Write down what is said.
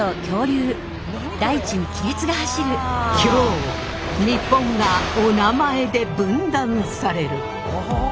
今日日本がおなまえで分断される。